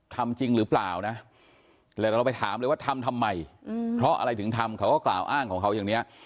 ทำจริงหรือเปล่านะแล้วก็เราไปถามเลยว่าทำทำไมเพราะอะไรถึงทำเขาก็กล่าวอ้างของเขาอย่างนี้